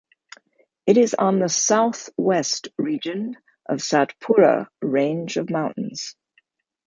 It is on the southwest region of 'Satpura Range of Mountains'.